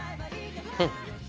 うん。